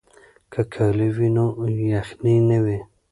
که کالي وي نو یخنۍ نه وي.